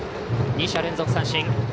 ２者連続三振。